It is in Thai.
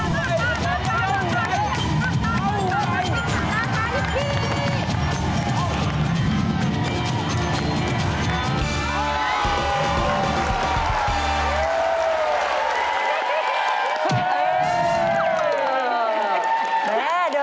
แม่เดิมป่ะคุณรู้ว่าจะต่อยกันได้ไหม